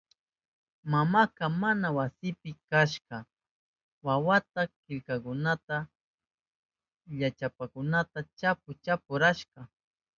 Maman mana wasinpi kashpan wawaka killkakunata llachapatapas chapu chapu rurashka.